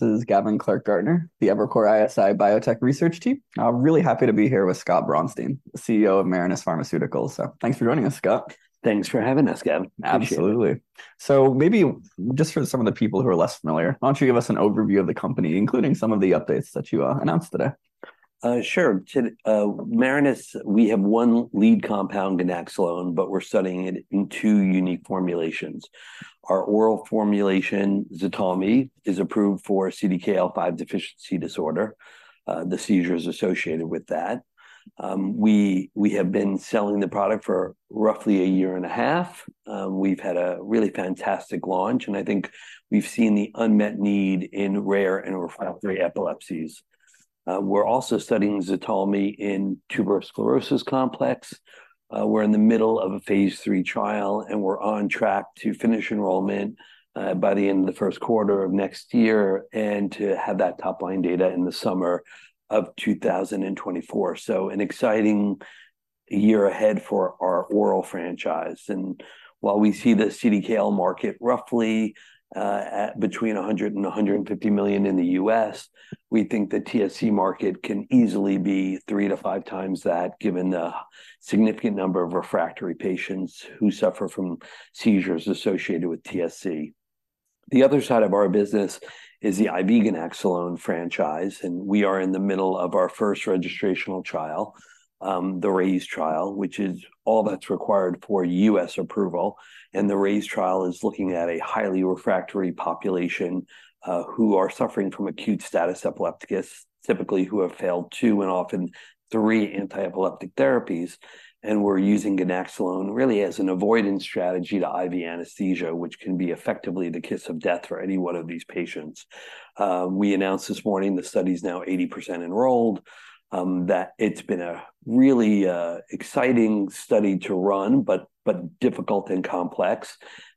This is Gavin Clark-Gartner, the Evercore ISI Biotech Research team. I'm really happy to be here with Scott Braunstein, the CEO of Marinus Pharmaceuticals. So thanks for joining us, Scott. Thanks for having us, Gavin. Absolutely. So maybe just for some of the people who are less familiar, why don't you give us an overview of the company, including some of the updates that you announced today? Sure. To Marinus, we have one lead compound, ganaxolone, but we're studying it in two unique formulations. Our oral formulation, Ztalmy, is approved for CDKL5 deficiency disorder, the seizures associated with that. We have been selling the product for roughly a year and a half. We've had a really fantastic launch, and I think we've seen the unmet need in rare and refractory epilepsies. We're also studying Ztalmy in tuberous sclerosis complex. We're in the middle of a phase three trial, and we're on track to finish enrollment by the end of the first quarter of next year, and to have that top-line data in the summer of 2024. So an exciting year ahead for our oral franchise. And while we see the CDKL market roughly at between $100 million and $150 million in the U.S., we think the TSC market can easily be 3x-5x that, given the significant number of refractory patients who suffer from seizures associated with TSC. The other side of our business is the IV ganaxolone franchise, and we are in the middle of our first registrational trial, the RAISE trial, which is all that's required for U.S. approval. And the RAISE trial is looking at a highly refractory population, who are suffering from acute status epilepticus, typically who have failed two, and often three, anti-epileptic therapies, and we're using ganaxolone really as an avoidance strategy to IV anesthesia, which can be effectively the kiss of death for any one of these patients. We announced this morning the study's now 80% enrolled, that it's been a really exciting study to run, but difficult and complex,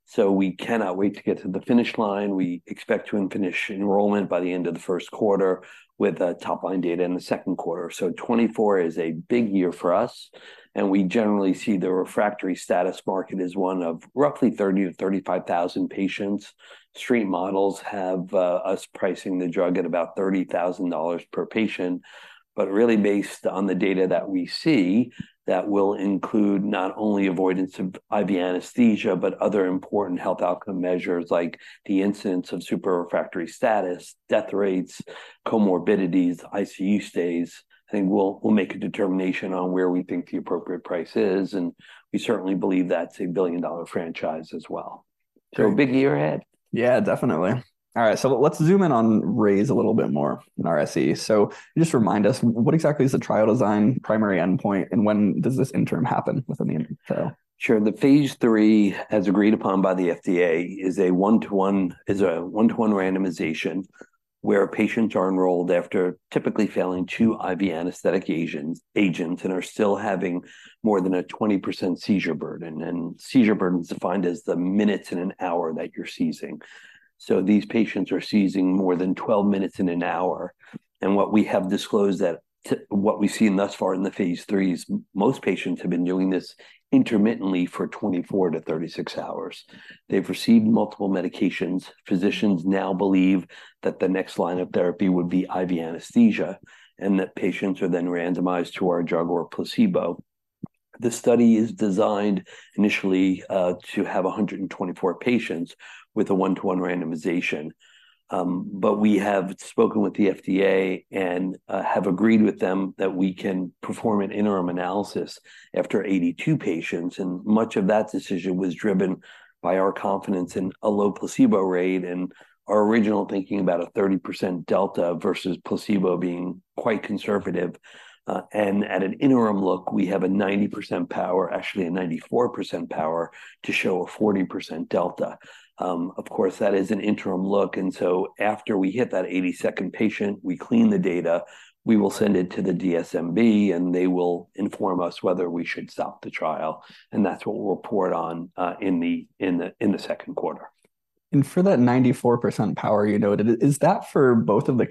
so we cannot wait to get to the finish line. We expect to finish enrollment by the end of the first quarter, with the top-line data in the second quarter. So 2024 is a big year for us, and we generally see the refractory status market as one of roughly 30-35,000 patients. Street models have us pricing the drug at about $30,000 per patient. But really based on the data that we see, that will include not only avoidance of IV anesthesia, but other important health outcome measures, like the incidence of super refractory status, death rates, comorbidities, ICU stays. I think we'll make a determination on where we think the appropriate price is, and we certainly believe that's a billion-dollar franchise as well. So a big year ahead. Yeah, definitely. All right, so let's zoom in on RAISE a little bit more in RSE. So just remind us, what exactly is the trial design, primary endpoint, and when does this interim happen within the trial? Sure. The phase three, as agreed upon by the FDA, is a 1:1 randomization, where patients are enrolled after typically failing two IV anesthetic agents, and are still having more than a 20% seizure burden. And seizure burden is defined as the minutes in an hour that you're seizing. So these patients are seizing more than 12 minutes in an hour. And what we've seen thus far in the phase three is most patients have been doing this intermittently for 24 hours-36 hours. They've received multiple medications. Physicians now believe that the next line of therapy would be IV anesthesia, and that patients are then randomized to our drug or a placebo. This study is designed initially to have 124 patients with a 1:1 randomization. But we have spoken with the FDA and have agreed with them that we can perform an interim analysis after 82 patients, and much of that decision was driven by our confidence in a low placebo rate and our original thinking about a 30% delta versus placebo being quite conservative. And at an interim look, we have a 90% power... actually, a 94% power to show a 40% delta. Of course, that is an interim look, and so after we hit that 82nd patient, we clean the data, we will send it to the DSMB, and they will inform us whether we should stop the trial, and that's what we'll report on in the second quarter. For that 94% power you noted, is that for both of the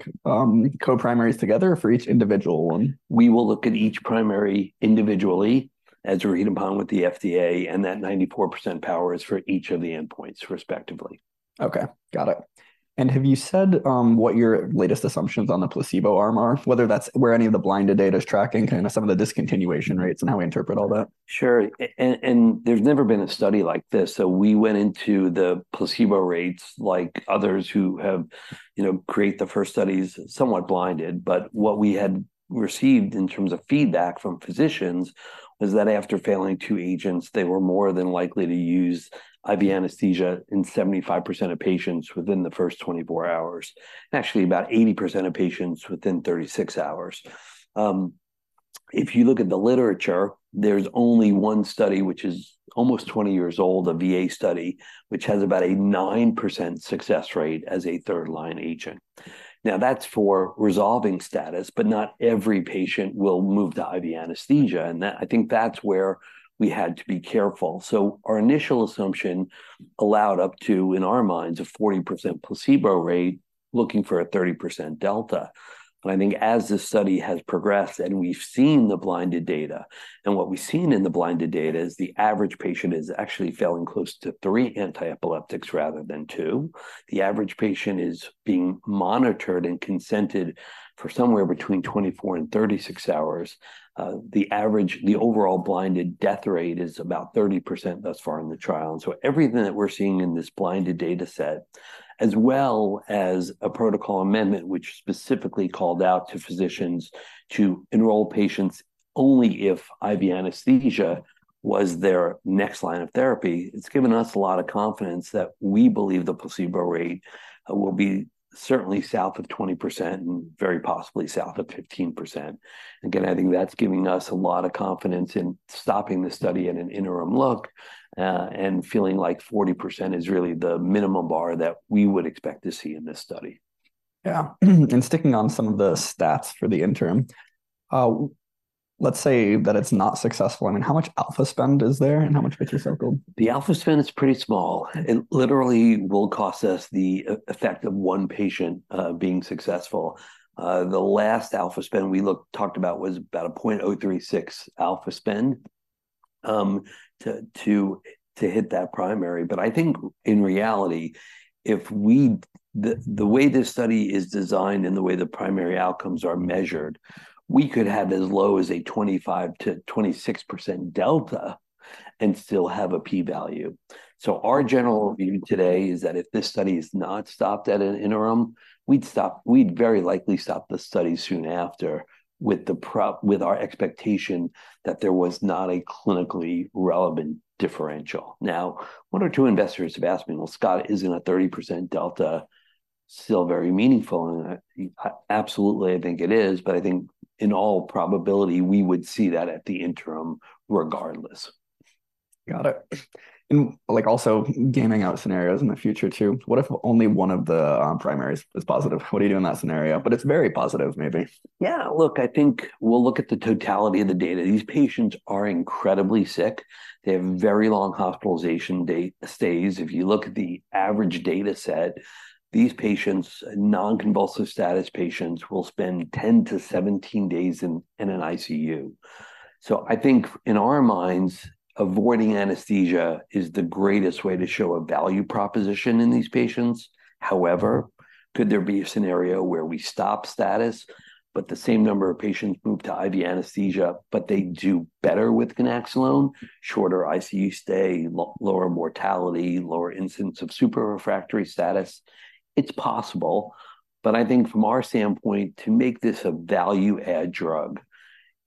co-primaries together or for each individual one? We will look at each primary individually, as agreed upon with the FDA, and that 94% power is for each of the endpoints, respectively. Okay, got it. Have you said what your latest assumptions on the placebo arm are, whether that's where any of the blinded data is tracking, kind of some of the discontinuation rates and how we interpret all that? Sure. And there's never been a study like this, so we went into the placebo rates, like others who have, you know, create the first studies, somewhat blinded. But what we had received in terms of feedback from physicians was that after failing two agents, they were more than likely to use IV anesthesia in 75% of patients within the first 24 hours, and actually about 80% of patients within 36 hours. If you look at the literature, there's only one study, which is almost 20 years old, a VA study, which has about a 9% success rate as a third-line agent. Now, that's for resolving status, but not every patient will move to IV anesthesia, and that—I think that's where we had to be careful. So our initial assumption allowed up to, in our minds, a 40% placebo rate-... Looking for a 30% delta. But I think as this study has progressed, and we've seen the blinded data, and what we've seen in the blinded data is the average patient is actually failing close to three antiepileptics rather than two. The average patient is being monitored and consented for somewhere between 24 hours-36 hours. The average overall blinded death rate is about 30% thus far in the trial. And so everything that we're seeing in this blinded data set, as well as a protocol amendment, which specifically called out to physicians to enroll patients only if IV anesthesia was their next line of therapy, it's given us a lot of confidence that we believe the placebo rate will be certainly south of 20%, and very possibly south of 15%. Again, I think that's giving us a lot of confidence in stopping the study at an interim look, and feeling like 40% is really the minimum bar that we would expect to see in this study. Yeah. And sticking on some of the stats for the interim, let's say that it's not successful. I mean, how much alpha spend is there, and how much beta circle? The alpha spend is pretty small. It literally will cost us the effect of one patient being successful. The last alpha spend we talked about was about a .036 alpha spend, to, to, to hit that primary. But I think in reality, the way this study is designed, and the way the primary outcomes are measured, we could have as low as a 25%-26% delta, and still have a p-value. So our general view today is that if this study is not stopped at an interim, we'd very likely stop the study soon after, with our expectation that there was not a clinically relevant differential. Now, one or two investors have asked me: "Well, Scott, isn't a 30% delta still very meaningful?" And absolutely, I think it is, but I think in all probability, we would see that at the interim regardless. Got it. And, like, also gaming out scenarios in the future, too, what if only one of the primaries is positive? What do you do in that scenario? But it's very positive, maybe. Yeah, look, I think we'll look at the totality of the data. These patients are incredibly sick. They have very long hospitalization stays. If you look at the average data set, these patients, non-convulsive status patients, will spend 10-17 days in an ICU. So I think in our minds, avoiding anesthesia is the greatest way to show a value proposition in these patients. However, could there be a scenario where we stop status, but the same number of patients move to IV anesthesia, but they do better with ganaxolone, shorter ICU stay, lower mortality, lower incidence of super refractory status? It's possible, but I think from our standpoint, to make this a value-add drug,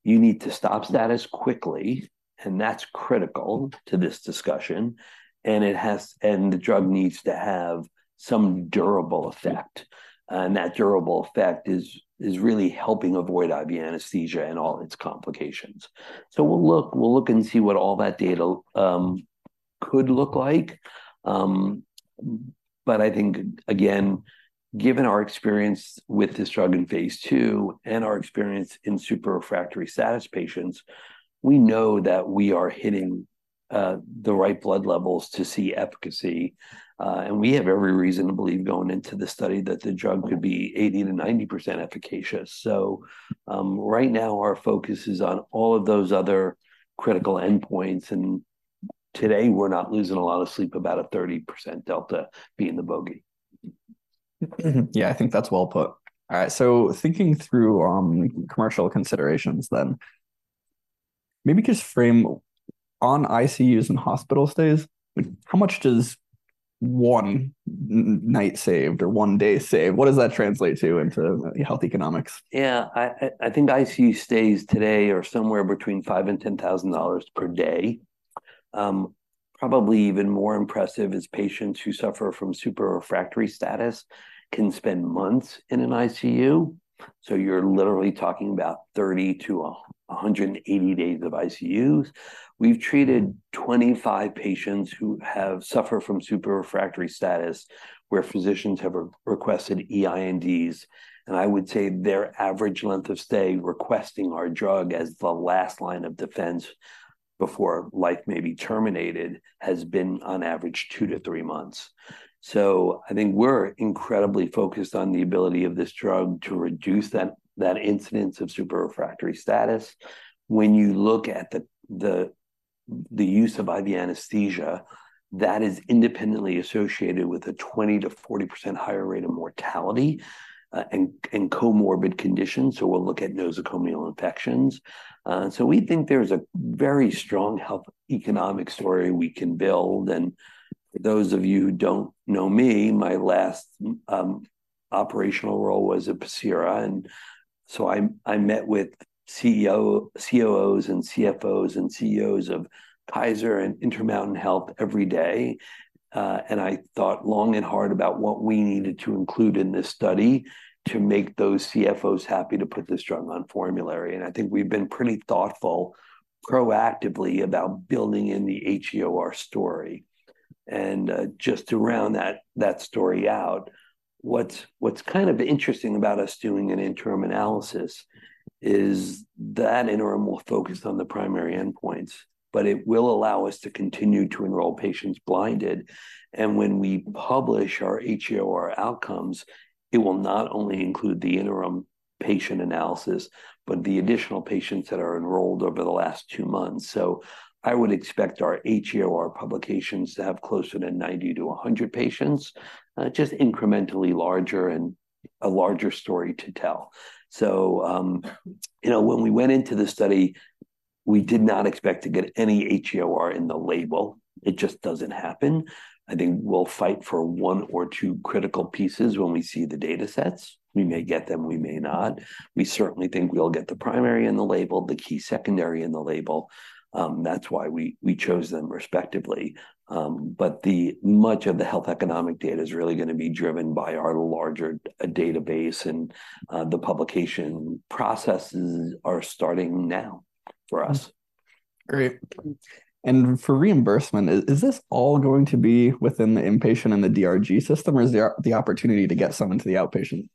you need to stop status quickly, and that's critical to this discussion, and it has-- and the drug needs to have some durable effect. That durable effect is really helping avoid IV anesthesia and all its complications. So we'll look and see what all that data could look like. But I think, again, given our experience with this drug in phase two, and our experience in super refractory status patients, we know that we are hitting the right blood levels to see efficacy. And we have every reason to believe, going into the study, that the drug could be 80%-90% efficacious. So, right now, our focus is on all of those other critical endpoints, and today, we're not losing a lot of sleep about a 30% delta being the bogey. Yeah, I think that's well put. All right, so thinking through commercial considerations then, maybe just frame on ICUs and hospital stays, like, how much does one night saved or one day saved translate to in health economics? Yeah. I think ICU stays today are somewhere between $5,000 and $10,000 per day. Probably even more impressive is patients who suffer from super refractory status can spend months in an ICU, so you're literally talking about 30-180 days of ICUs. We've treated 25 patients who have suffered from super refractory status, where physicians have requested EINDs, and I would say their average length of stay, requesting our drug as the last line of defense before life may be terminated, has been on average two-three months. So I think we're incredibly focused on the ability of this drug to reduce that incidence of super refractory status. When you look at the use of IV anesthesia, that is independently associated with a 20%-40% higher rate of mortality, and comorbid conditions, so we'll look at nosocomial infections. So we think there's a very strong health economic story we can build, and for those of you who don't know me, my last operational role was at Pacira, and so I met with COOs and CFOs and CEOs of Pfizer and Intermountain Healthcare every day. And I thought long and hard about what we needed to include in this study to make those CFOs happy to put this drug on formulary, and I think we've been pretty thoughtful proactively about building in the HEOR story. And just to round that story out, what's kind of interesting about us doing an interim analysis is the-... that interim will focus on the primary endpoints, but it will allow us to continue to enroll patients blinded. When we publish our HEOR outcomes, it will not only include the interim patient analysis, but the additional patients that are enrolled over the last two months. So I would expect our HEOR publications to have closer to 90 to 100 patients, just incrementally larger and a larger story to tell. So, you know, when we went into the study, we did not expect to get any HEOR in the label. It just doesn't happen. I think we'll fight for one or two critical pieces when we see the data sets. We may get them, we may not. We certainly think we'll get the primary in the label, the key secondary in the label. That's why we chose them respectively. But much of the health economic data is really gonna be driven by our larger database, and the publication processes are starting now for us. Great. And for reimbursement, is this all going to be within the inpatient and the DRG system, or is there the opportunity to get some into the outpatient?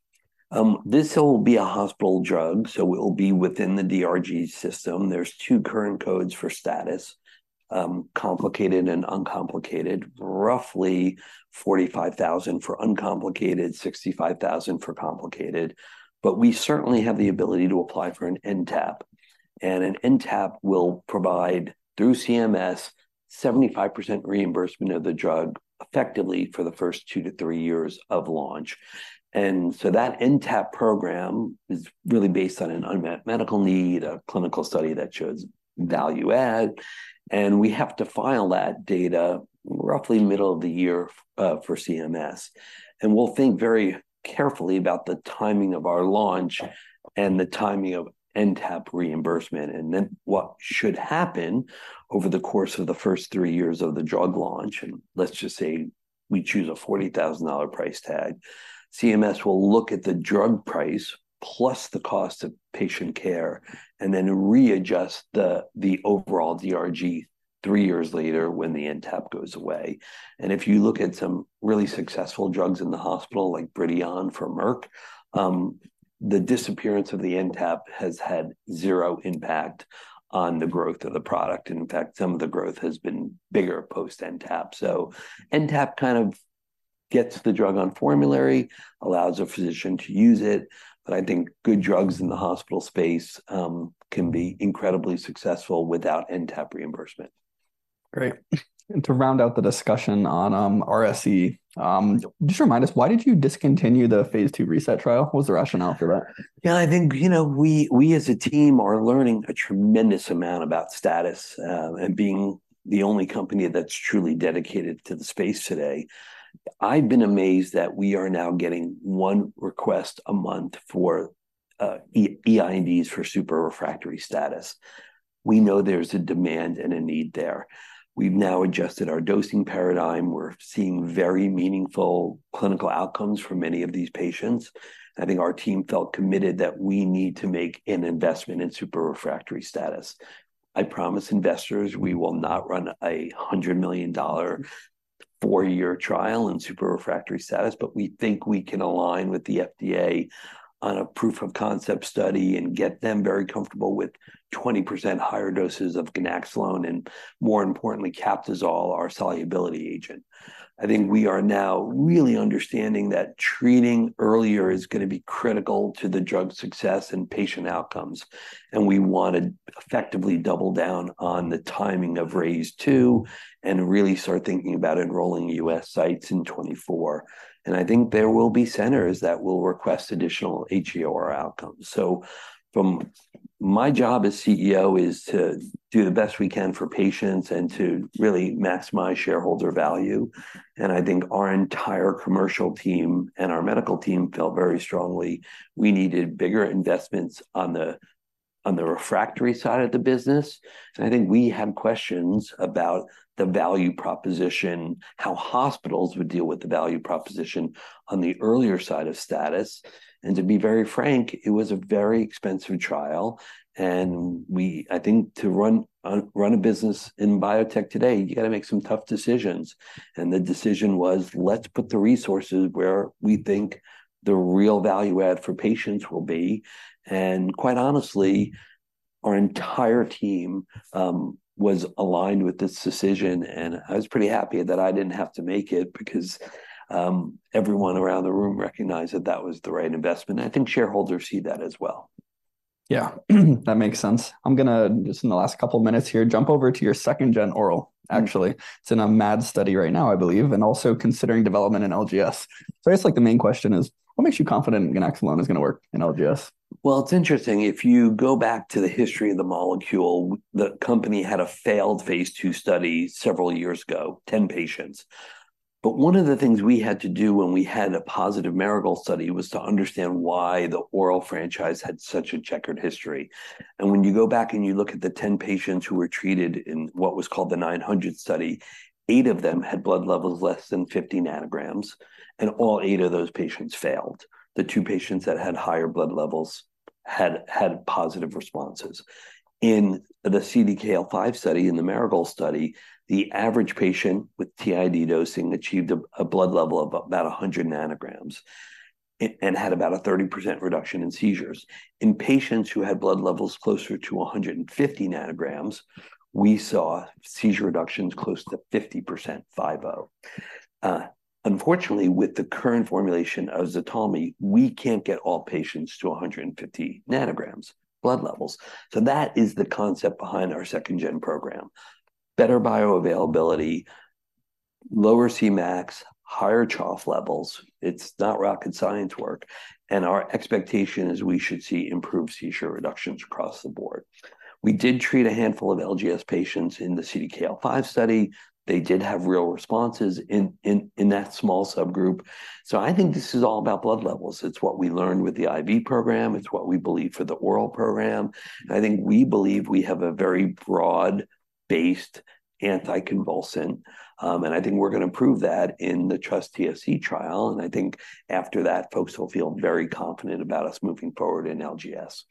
This will be a hospital drug, so it'll be within the DRG system. There's two current codes for status, complicated and uncomplicated, roughly $45,000 for uncomplicated, $65,000 for complicated. But we certainly have the ability to apply for an NTAP, and an NTAP will provide, through CMS, 75% reimbursement of the drug effectively for the first two-three years of launch. So that NTAP program is really based on an unmet medical need, a clinical study that shows value add, and we have to file that data roughly middle of the year, for CMS. We'll think very carefully about the timing of our launch and the timing of NTAP reimbursement, and then what should happen over the course of the first three years of the drug launch, and let's just say we choose a $40,000 price tag. CMS will look at the drug price plus the cost of patient care, and then readjust the overall DRG three years later when the NTAP goes away. If you look at some really successful drugs in the hospital, like Bridion for Merck, the disappearance of the NTAP has had zero impact on the growth of the product. In fact, some of the growth has been bigger post-NTAP. So NTAP kind of gets the drug on formulary, allows a physician to use it, but I think good drugs in the hospital space can be incredibly successful without NTAP reimbursement. Great. To round out the discussion on RSE, just remind us why did you discontinue the phase two RESET trial? What was the rationale for that? Yeah, I think, you know, we, we as a team are learning a tremendous amount about status, and being the only company that's truly dedicated to the space today. I've been amazed that we are now getting one request a month for eINDs for super refractory status. We know there's a demand and a need there. We've now adjusted our dosing paradigm. We're seeing very meaningful clinical outcomes for many of these patients. I think our team felt committed that we need to make an investment in super refractory status. I promise investors we will not run a $100 million four-year trial in super refractory status, but we think we can align with the FDA on a proof of concept study and get them very comfortable with 20% higher doses of ganaxolone, and more importantly, Captisol, our solubility agent. I think we are now really understanding that treating earlier is gonna be critical to the drug success and patient outcomes, and we want to effectively double down on the timing of RAISE 2, and really start thinking about enrolling U.S. sites in 2024. And I think there will be centers that will request additional HEOR outcomes. So from my job as CEO is to do the best we can for patients and to really maximize shareholder value, and I think our entire commercial team and our medical team felt very strongly we needed bigger investments on the refractory side of the business. And I think we had questions about the value proposition, how hospitals would deal with the value proposition on the earlier side of status. And to be very frank, it was a very expensive trial, and I think to run a business in biotech today, you gotta make some tough decisions, and the decision was, let's put the resources where we think the real value add for patients will be. And quite honestly, our entire team was aligned with this decision, and I was pretty happy that I didn't have to make it, because everyone around the room recognized that that was the right investment. I think shareholders see that as well. Yeah, that makes sense. I'm gonna, just in the last couple of minutes here, jump over to your second-gen oral, actually. It's in a MAD study right now, I believe, and also considering development in LGS. So I guess, like, the main question is, what makes you confident ganaxolone is gonna work in LGS? Well, it's interesting. If you go back to the history of the molecule, the company had a failed phase two study several years ago, 10 patients. But one of the things we had to do when we had a positive Marigold study was to understand why the oral franchise had such a checkered history. And when you go back and you look at the 10 patients who were treated in what was called the nine hundred study, eight of them had blood levels less than 50 ng, and all eight of those patients failed. The two patients that had higher blood levels had, had positive responses.... In the CDKL5 study, in the Marigold study, the average patient with TID dosing achieved a blood level of about 100 ng, and had about a 30% reduction in seizures. In patients who had blood levels closer to 150 ng, we saw seizure reductions close to 50%, 50. Unfortunately, with the current formulation of Ztalmy, we can't get all patients to 150 ng blood levels. So that is the concept behind our second gen program. Better bioavailability, lower Cmax, higher trough levels. It's not rocket science work, and our expectation is we should see improved seizure reductions across the board. We did treat a handful of LGS patients in the CDKL5 study. They did have real responses in that small subgroup. So I think this is all about blood levels. It's what we learned with the IV program, it's what we believe for the oral program. I think we believe we have a very broad-based anticonvulsant, and I think we're gonna prove that in the TRUST-TSC trial, and I think after that, folks will feel very confident about us moving forward in LGS.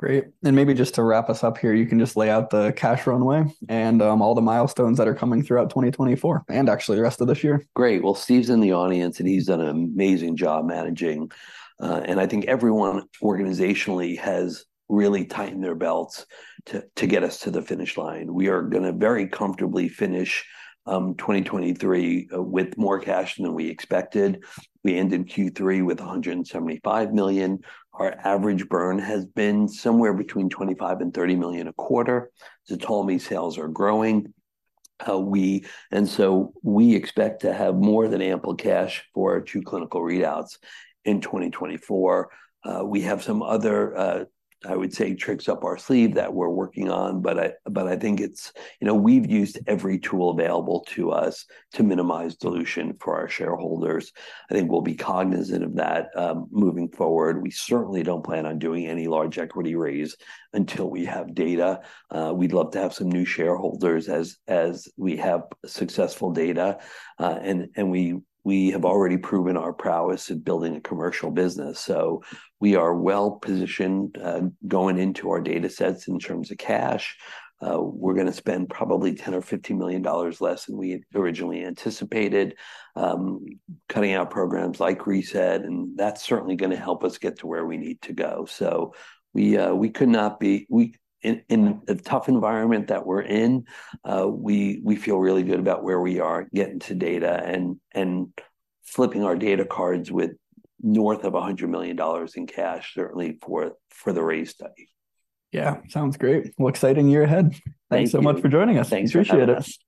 Great. Maybe just to wrap us up here, you can just lay out the cash runway and all the milestones that are coming throughout 2024, and actually the rest of this year. Great. Well, Steve's in the audience, and he's done an amazing job managing. And I think everyone organizationally has really tightened their belts to get us to the finish line. We are gonna very comfortably finish 2023 with more cash than we expected. We ended Q3 with $175 million. Our average burn has been somewhere between $25 million-$30 million a quarter. Ztalmy sales are growing. And so we expect to have more than ample cash for our two clinical readouts in 2024. We have some other, I would say, tricks up our sleeve that we're working on, but I think it's... You know, we've used every tool available to us to minimize dilution for our shareholders. I think we'll be cognizant of that, moving forward. We certainly don't plan on doing any large equity raise until we have data. We'd love to have some new shareholders as we have successful data. And we have already proven our prowess in building a commercial business. So we are well positioned going into our data sets in terms of cash. We're gonna spend probably $10 million-$15 million less than we had originally anticipated, cutting out programs like RESET, and that's certainly gonna help us get to where we need to go. So we could not be in the tough environment that we're in. We feel really good about where we are, getting to data, and flipping our data cards with north of $100 million in cash, certainly for the RAISE study. Yeah. Sounds great. Well, exciting year ahead. Thank you. Thanks so much for joining us. Thanks for having us.